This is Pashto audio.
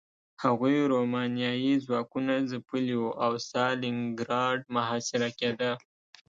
هغوی رومانیايي ځواکونه ځپلي وو او ستالینګراډ محاصره کېده